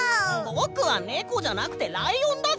ぼくはネコじゃなくてライオンだぞ！